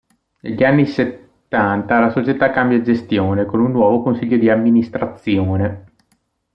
Negli anni Settanta la Società cambia gestione, con un nuovo consiglio di amministrazione.